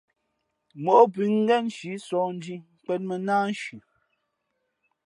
Móʼ pʉ̌ ngén nshǐ sǒh ndhī nkwēn mᾱ nāānshi.